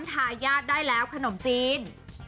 ทายาทได้แล้วขนมจีน